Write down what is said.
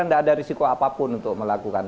tidak ada risiko apapun untuk melakukan